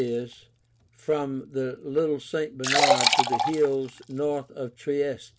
e. from the Little St. Bernard to the hills north of Trieste.